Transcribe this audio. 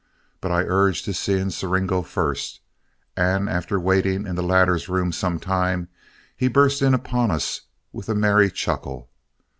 But I urged his seeing Siringo first, and after waiting in the latter's room some time, he burst in upon us with a merry chuckle.